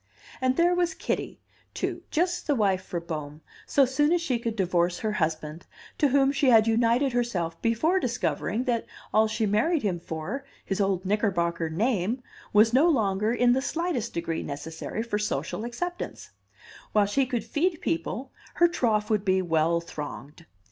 And there was Kitty, too, just the wife for Bohm, so soon as she could divorce her husband, to whom she had united herself before discovering that all she married him for, his old Knickerbocker name, was no longer in the slightest degree necessary for social acceptance; while she could feed people, her trough would be well thronged.